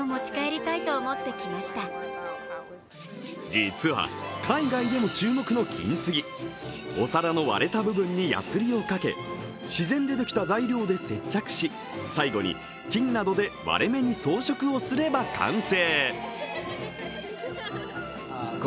実は海外でも注目の金継ぎお皿の割れた部分にやすりをかけ自然でできた材料で接着し、最後に金などで割れ目に装着をすれば完成。